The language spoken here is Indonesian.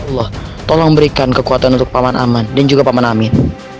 allah tolong berikan kekuatan untuk paman aman dan juga paman amin